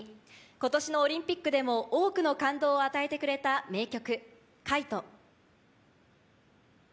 今年のオリンピックでも多くの感動を与えてくれた名曲。